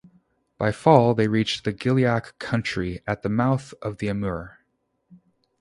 By fall they reached the Gilyak country at the mouth of the Amur.